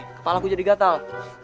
kepalaku jadi gatal